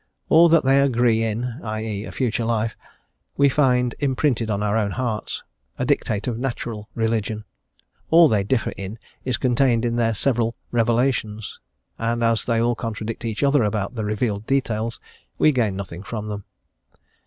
All that they agree in, i e., a future life, we find imprinted on our own hearts, a dictate of natural religion; all they differ in is contained in their several revelations, and as they all contradict each other about the revealed details, we gain nothing from them.